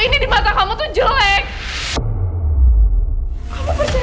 ini di mata kamu tuh jelek kamu percaya sama aku raja